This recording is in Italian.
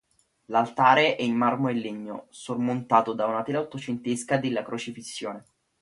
L'altare è in marmo e legno, sormontato da una tela ottocentesca della "Crocifissione".